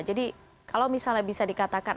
jadi kalau misalnya bisa dikatakan